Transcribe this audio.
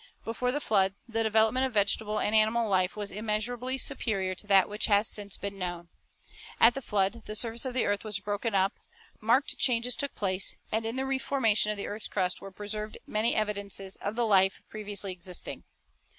Before the flood, the development of vegetable and animal life was immeasurably superior to that which has since been known. At the flood the surface of the earth was broken up, marked changes took place, and in changes at .° r the Flood the re formation of the earth's crust were preserved many evidences of the life previously existing.